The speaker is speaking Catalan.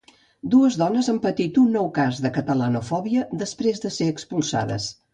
Dues dones han patit un nou cas de catalanofòbia, després de ser expulsades